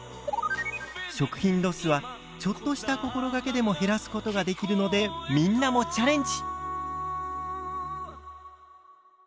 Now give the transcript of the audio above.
食品ロスはちょっとした心がけでも減らすことができるのでみんなもチャレンジ！